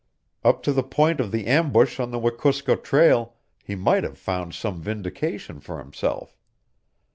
Up to the point of the ambush on the Wekusko trail he might have found some vindication for himself.